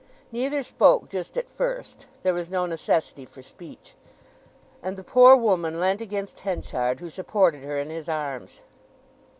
Neither spoke just at first—there was no necessity for speech—and the poor woman leant against Henchard, who supported her in his arms.